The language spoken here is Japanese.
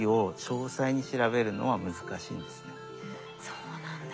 そうなんだ。